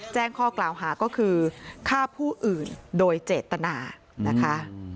แจ้งข้อกล่าวหาก็คือฆ่าผู้อื่นโดยเจตนานะคะ